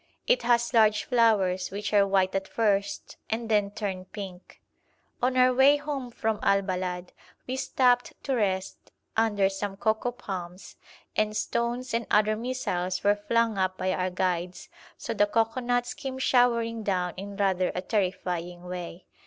It has large flowers, which are white at first, and then turn pink. On our way home from Al Balad we stopped to rest under some cocoa palms, and stones and other missiles were flung up by our guides, so the cocoanuts came showering down in rather a terrifying way.